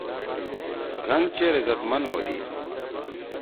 گھن چیر عزت مند ہودی۔